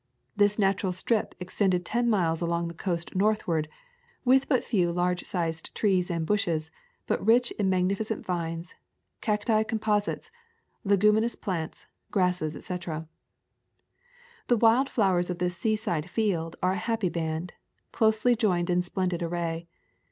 This natu ral strip extended ten miles along the coast northward, with but few large sized trees and bushes, but rich in magnificent vines, cacti composites, leguminous plants, grasses, etc. The wild flowers of this seaside field are a happy band, closely joined in splendid array.